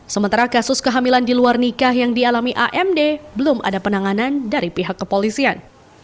sementara kasus kehamilan di luar nikah yang dialami amd belum ada penanganan dari pihak kepolisian